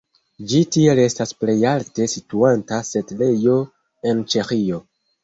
Ĝi tiel estas plej alte situanta setlejo en Ĉeĥio.